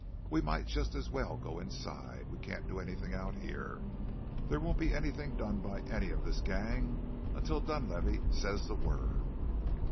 We might just as well go inside; we can't do anything out here. There won't be anything done by any of this gang until Dunlavey says the word."